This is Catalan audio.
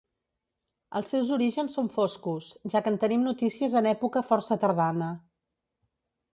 Els seus orígens són foscos, ja que en tenim notícies en època força tardana.